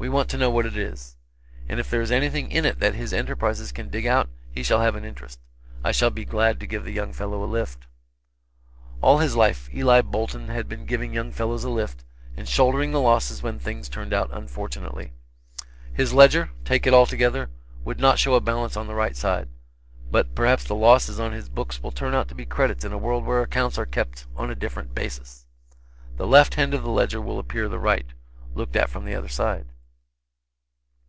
We want to know what it is. And if there is anything in it that his enterprise can dig out, he shall have an interest. I should be glad to give the young fellow a lift." All his life Eli Bolton had been giving young fellows a lift, and shouldering the loses when things turned out unfortunately. His ledger, take it altogether, would not show a balance on the right side; but perhaps the losses on his books will turn out to be credits in a world where accounts are kept on a different basis. The left hand of the ledger will appear the right, looked at from the other side.